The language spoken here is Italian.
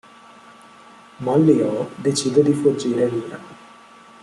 Molly O decide di fuggire via.